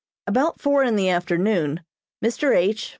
About four in the afternoon Mr. H.